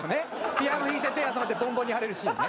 ピアノ弾いて手が挟まってパンパンに腫れるシーンね。